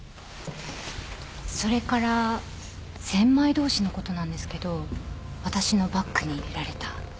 それから千枚通しのことなんですけど私のバッグに入れられた。